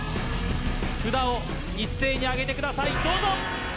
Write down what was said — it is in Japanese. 札を一斉に挙げてくださいどうぞ！